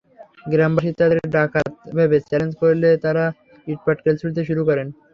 গ্রামবাসী তাঁদের ডাকাত ভেবে চ্যালেঞ্জ করলে তাঁরা ইটপাটকেল ছুড়তে শুরু করেন।